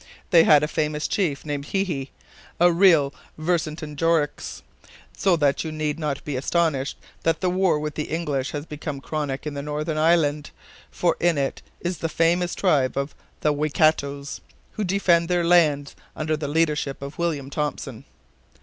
They had a famous chief, named Hihi, a real Vercingetorix, so that you need not be astonished that the war with the English has become chronic in the Northern Island, for in it is the famous tribe of the Waikatos, who defend their lands under the leadership of William Thompson."